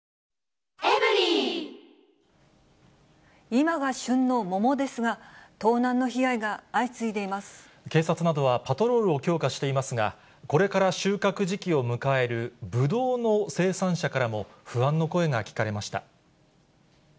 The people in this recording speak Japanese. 今が旬の桃ですが、警察などはパトロールを強化していますが、これから収穫時期を迎えるブドウの生産者からも、不安の声が聞かれました。